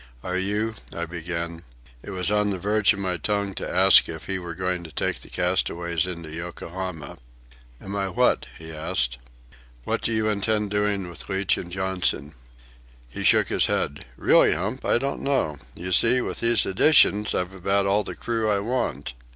"Are you—" I began. It was on the verge of my tongue to ask if he were going to take the castaways into Yokohama. "Am I what?" he asked. "What do you intend doing with Leach and Johnson?" He shook his head. "Really, Hump, I don't know. You see, with these additions I've about all the crew I want."